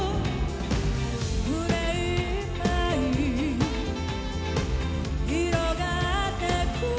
「胸いっぱい広がってく」